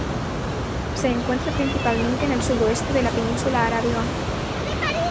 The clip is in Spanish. Se encuentra principalmente en el sudoeste de la Península Arábiga.